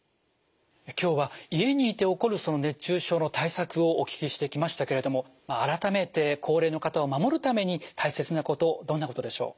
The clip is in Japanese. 今日は家にいて起こる熱中症の対策をお聞きしてきましたけれども改めて高齢の方を守るために大切なことどんなことでしょう？